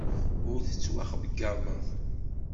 Ur tettwaxeyyabeḍ.